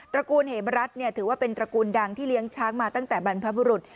ระกูลเหมรัฐถือว่าเป็นตระกูลดังที่เลี้ยงช้างมาตั้งแต่บรรพบุรุษ